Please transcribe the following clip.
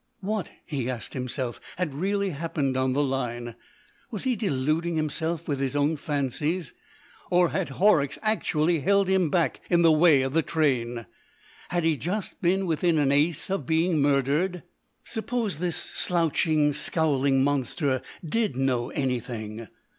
What, he asked himself, had really happened on the line? Was he deluding himself with his own fancies, or had Horrocks actually held him back in the way of the train? Had he just been within an ace of being murdered? Suppose this slouching, scowling monster did know anything?